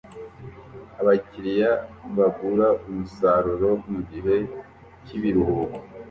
Abakiriya bagura umusaruro mugihe cyibiruhuko